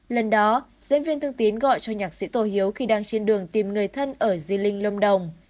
lần đó diễn viên thương tiến gọi cho nhạc sĩ tô hiếu khi đang trên đường tìm người thân ở di linh lâm đồng